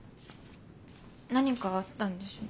何かあったんでしょ？